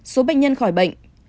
một số bệnh nhân khỏi bệnh